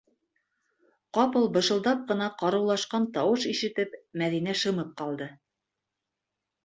Ҡапыл бышылдап ҡына ҡарыулашҡан тауыш ишетеп, Мәҙинә шымып ҡалды: